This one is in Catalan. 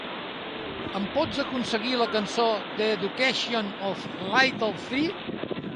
Em pots aconseguir la cançó "The Education of Little Tree"?